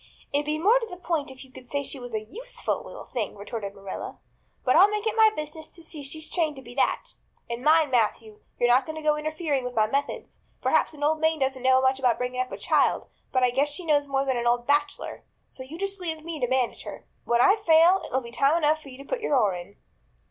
"It'd be more to the point if you could say she was a useful little thing," retorted Marilla, "but I'll make it my business to see she's trained to be that. And mind, Matthew, you're not to go interfering with my methods. Perhaps an old maid doesn't know much about bringing up a child, but I guess she knows more than an old bachelor. So you just leave me to manage her. When I fail it'll be time enough to put your oar in."